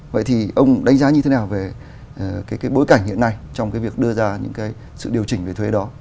vậy thì ông đánh giá như thế nào về cái bối cảnh hiện nay trong cái việc đưa ra những cái sự điều chỉnh về thuế đó